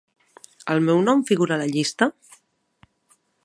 El meu nom figura a la llista?